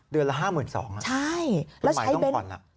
เดือนละ๕๒๐๐๐บาทคุณหมายต้องผ่อนละใช่